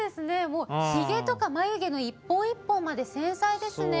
もうひげとか眉毛の一本一本まで繊細ですね。